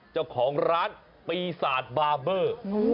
เจ้าของร้านปีศาจบาเบอร์